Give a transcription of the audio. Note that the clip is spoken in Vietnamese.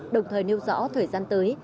đồng thời nêu rõ thời gian tới